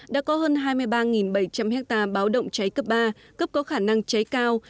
đã có hơn hai mươi ba bảy trăm linh hectare báo động cháy cấp ba cấp có khả năng cháy cao